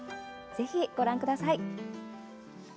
ぜひ、ご覧ください。